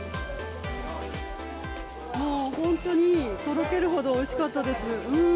もう本当に、とろけるほどおいしかったです。